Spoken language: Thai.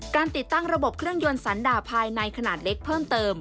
ติดตั้งระบบเครื่องยนต์สันดาภายในขนาดเล็กเพิ่มเติม